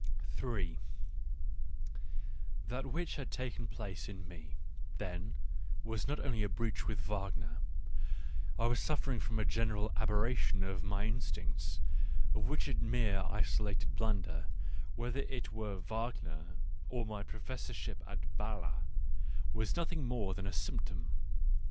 3 That which had taken place in me, then, was not only a breach with Wagner — I was suffering from a general aberration of my instincts, of which a mere isolated blunder, whether it were Wagner or my professorship at B&le, was nothing more than a symptom.